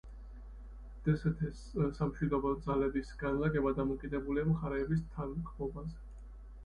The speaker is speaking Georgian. დსთ-ს სამშვიდობო ძალების განლაგება დამოკიდებულია მხარეების თანხმობაზე.